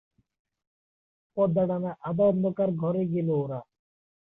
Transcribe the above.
পর্দাটানা আধা অন্ধকার ঘরে গেল ওরা।